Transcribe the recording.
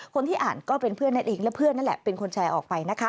คนที่อ่านก็เป็นเพื่อนนั่นเองและเพื่อนนั่นแหละเป็นคนแชร์ออกไปนะคะ